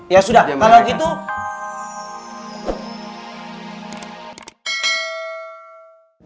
ya sudah kalau gitu